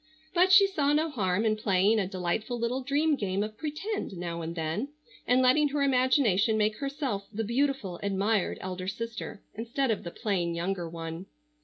But she saw no harm in playing a delightful little dream game of "pretend" now and then, and letting her imagination make herself the beautiful, admired, elder sister instead of the plain younger one.